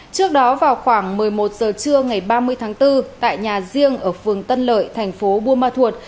trước đó vào khoảng một mươi một giờ trưa ngày ba mươi tháng bốn tại nhà riêng ở phường tân lợi thành phố buôn ma thuột